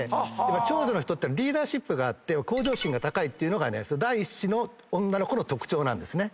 長女はリーダーシップがあって向上心が高いっていうのが第１子の女の子の特徴なんですね。